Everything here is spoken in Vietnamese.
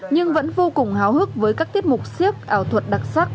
nhưng vẫn vô cùng háo hức với các tiết mục siếp ảo thuật đặc sắc